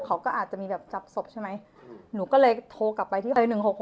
เขาก็อาจจะมีแบบจับศพใช่ไหมหนูก็เลยโทรกลับไปที่เอ้ย๑๖๖